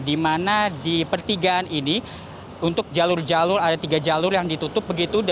di mana di pertigaan ini untuk jalur jalur ada tiga jalur yang ditutup begitu